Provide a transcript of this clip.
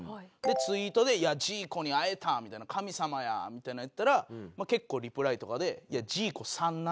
ツイートで「ジーコに会えた」みたいな「神様や！」みたいのをやったら結構リプライとかで「いやジーコさんな」。